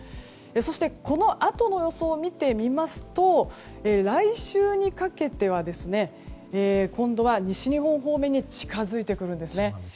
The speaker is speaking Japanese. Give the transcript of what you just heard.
そして、このあとの予想を見てみますと来週にかけては今度は西日本方面に近づいてくるんですね。